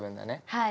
はい。